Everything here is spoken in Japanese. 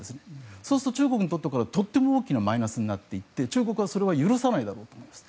そうすると中国にとってはとても大きなマイナスになり中国はそれは許さないだろうと思います。